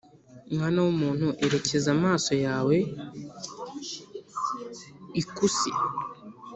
Mwana w’umuntu, erekeza amaso yawe ikusi